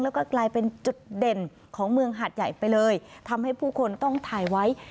แล้วก็กลายเป็นจุดเด่นของเมืองหาดใหญ่ไปเลยทำให้ผู้คนต้องถ่ายไว้